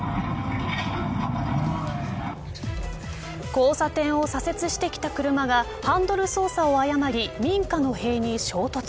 交差点を左折してきた車がハンドル操作を誤り民家の塀に衝突。